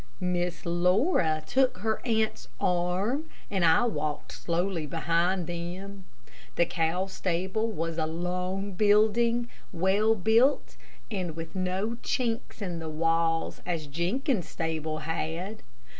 Miss Laura took her aunt's arm, and I walked slowly behind them. The cow stable was a long building, well built, and with no chinks in the walls, as Jenkins's stable had.